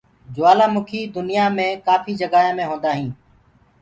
جوُلآ مُکيٚ دنيآ مي ڪآپهي جگآ مي هوندآ هينٚ۔